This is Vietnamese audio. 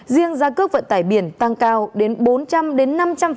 riêng giá cước vận tải biển tăng cao đến bốn trăm linh đến năm trăm linh